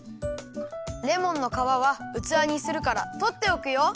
レモンのかわはうつわにするからとっておくよ。